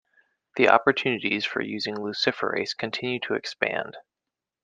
The opportunities for using luciferase continue to expand.